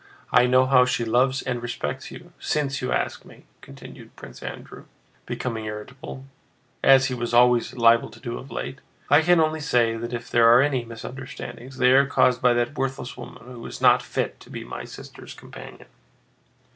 I know how she loves and respects you. Since you ask me," continued Prince Andrew, becoming irritable—as he was always liable to do of late—"I can only say that if there are any misunderstandings they are caused by that worthless woman, who is not fit to be my sister's companion."